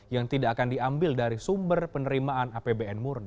yang tidak akan diambil dari sumber penerimaan apbn murni